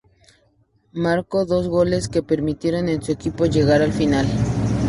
Marcó dos goles que permitieron a su equipo llegar al final.